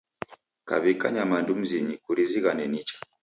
Kaw'ika nyamandu mzinyi kurizighane nicha.